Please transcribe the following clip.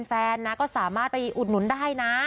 แฟนนะก็สามารถไปอุดหนุนได้นะ